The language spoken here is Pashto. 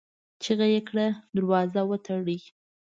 چيغه يې کړه! دروازه وتړئ!